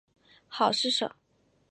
好施舍。